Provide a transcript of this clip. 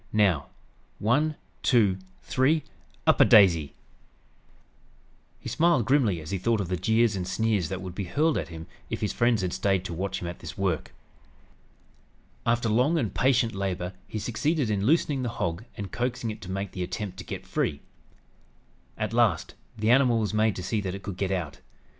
Now 'one two three up a daisy!'" He smiled grimly as he thought of the jeers and sneers that would be hurled at him if his friends had stayed to watch him at this work. After long and patient labor he succeeded in loosening the hog and coaxing it to make the attempt to get free. At last, the animal was made to see that it could get out.